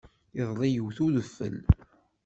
Iḍelli yewt-d udfel.